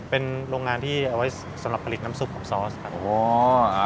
เป็นโรงงานที่เอาไว้สำหรับผลิตน้ำซุปของซอสครับ